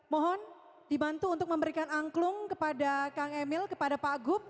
mohon dibantu untuk memberikan angklung kepada kang emil kepada pak gup